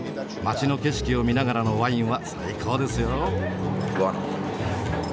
街の景色を見ながらのワインは最高ですよ。